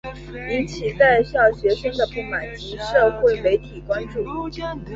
引起在校学生的不满及社会媒体关注。